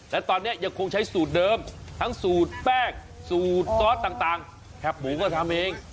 และตอนนี้ยังคงใช้สูตรเดิมทั้งสูตรแป้งสูตรซอสต่างแคบหมูก็ทำเอง